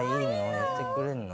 やってくれんの？